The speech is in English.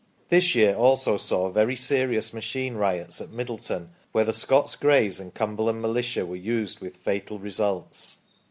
This year also saw very serious machine riots at Middleton, where the Scots Greys and Cumberland Militia were used with fatal results.